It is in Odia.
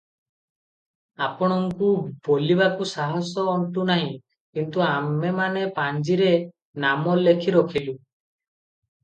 ଆପଣଙ୍କୁ ବୋଲିବାକୁ ସାହସ ଅଣ୍ଟୁନାହିଁ, କିନ୍ତୁ ଆମେମାନେ ପାଞ୍ଜିରେ ନାମ ଲେଖିରଖିଲୁ ।